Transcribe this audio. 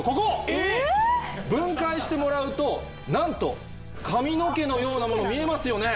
えっ！分解してもらうとなんと髪の毛のようなもの見えますよね。